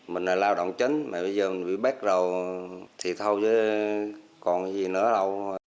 mình là lao động chấn mà bây giờ bị bếp rồi thì thôi chứ còn gì nữa đâu